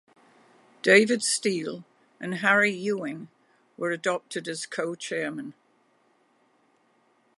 David Steel and Harry Ewing were adopted as co-chairmen.